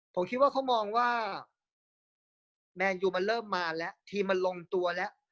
ผมคิดว่าเขามองว่าแมนยูมันเริ่มมาแล้วทีมมันลงตัวแล้ว